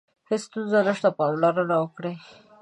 هیڅ ستونزه نشته، پاملرنه وکړئ.